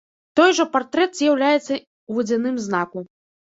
Той жа партрэт з'яўляецца ў вадзяным знаку.